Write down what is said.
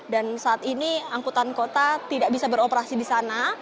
dan saat ini angkutan kota tidak bisa beroperasi di sana